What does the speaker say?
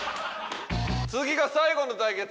次が最後の対決。